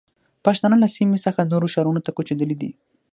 پښتانه له سیمې څخه نورو ښارونو ته کوچېدلي دي.